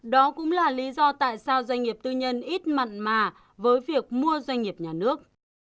đó cũng là lý do tại sao doanh nghiệp tư nhân ít mặn mà với việc mua doanh nghiệp nhà nước